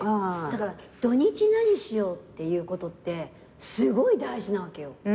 だから土日何しようっていうことってすごい大事なわけよ。